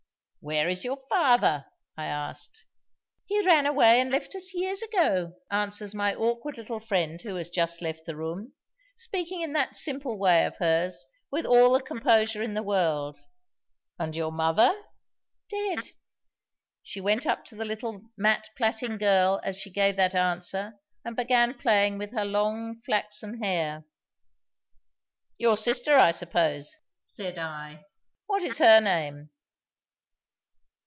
'Where is your father?' I asked. 'He ran away and left us years ago,' answers my awkward little friend who has just left the room, speaking in that simple way of hers, with all the composure in the world. 'And your mother?' 'Dead.' She went up to the little mat plaiting girl as she gave that answer, and began playing with her long flaxen hair. 'Your sister, I suppose,' said I. 'What is her name?